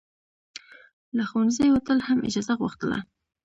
له ښوونځي وتل هم اجازه غوښتله.